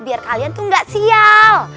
biar kalian tuh gak sial